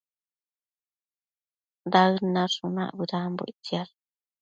Daëd nashunac bëdanbo ictsiash